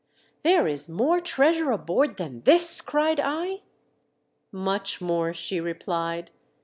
"There is more treasure aboard than this:" cried I. " Much more !" she replied.